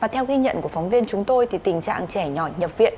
theo ghi nhận của phóng viên chúng tôi tình trạng trẻ nhỏ nhập viện